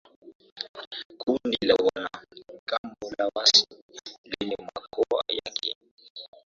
kundi la wanamgambo la waasi lenye makao yake